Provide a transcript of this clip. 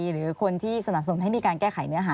หรือคนที่สนับสนุนให้มีการแก้ไขเนื้อหา